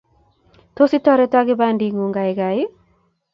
Tos itoretoo kibandingung kaikai?